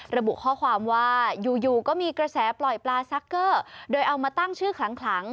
ระบุข้อความว่าอยู่ก็มีกระแสปล่อยปลาซักเกอร์โดยเอามาตั้งชื่อคลัง